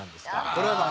これは何？